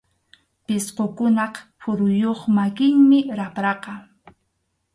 Pisqukunap phuruyuq makinmi rapraqa.